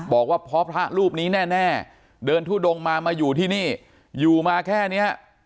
บอกว่าเพราะพระรูปนี้แน่เดินทุดงมามาอยู่ที่นี่อยู่มาแค่เนี้ย